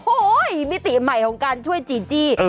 โอ้โหมิติใหม่ของการช่วยจีจี้